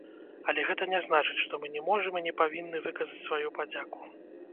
Але гэта не значыць, што мы не можам і не павінны выказаць сваю падзяку.